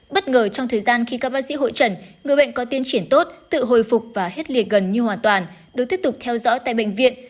bất ngờ trong thời gian khi các bác sĩ hội trần người bệnh có tiến triển tốt tự hồi phục và hết liệt gần như hoàn toàn được tiếp tục theo dõi tại bệnh viện